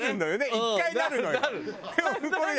１回なるのよ。